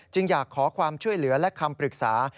อยากขอความช่วยเหลือและคำปรึกษา